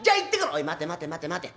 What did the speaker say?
「おい待て待て待て待て。